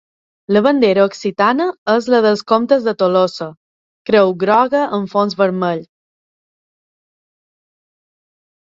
La bandera occitana és la dels comtes de Tolosa: creu groga en fons vermell.